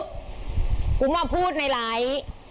กูมาพูดในไลฟ์